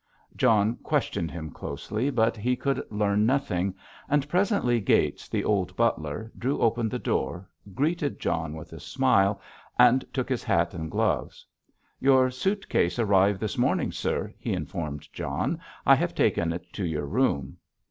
John questioned him closely, but he could learn nothing, and presently Gates, the old butler, drew open the door, greeted John with a smile, and took his hat and gloves. "Your suit case arrived this morning, sir," he informed John. "I have taken it to your room."